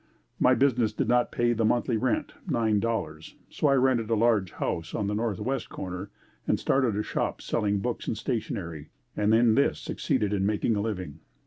My business did not pay the monthly rent, $9.00, so I rented a large house on the southwest corner and started a shop selling books and stationery, and in this succeeded in making a living.